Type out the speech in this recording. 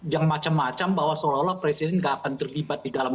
yang macam macam bahwa seolah olah presiden tidak akan terlibat di dalam